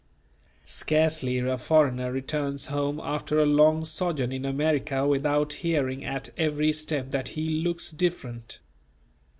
Scarcely a foreigner returns home after a long sojourn in America without hearing at every step that he looks different.